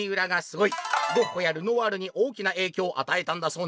ゴッホやルノワールに大きな影響を与えたんだそうな！」。